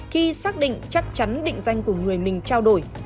khi xác định chắc chắn định danh của người mình trao đổi